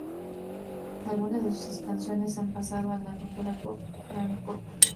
Algunas de sus canciones han pasado a la cultura pop francófona.